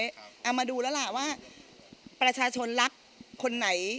เอามาดูแล้วล่ะว่าประชาชนรักคนไหน